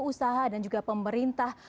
usaha dan juga pemerintah